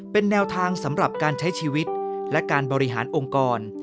เป็นแนวทางสำหรับการใช้ชีวิตและการบริหารองค์กร